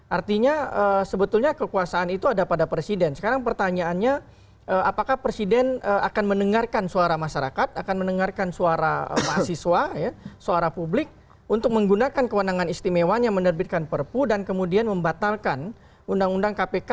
artinya sebetulnya kekuasaan itu ada pada presiden sekarang pertanyaannya apakah presiden akan mendengarkan suara masyarakat akan mendengarkan suara mahasiswa suara publik untuk menggunakan kewenangan istimewanya menerbitkan perpu dan kemudian membatalkan undang undang kpk